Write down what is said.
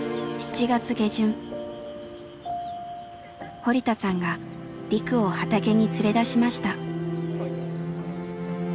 堀田さんがリクを畑に連れ出しました。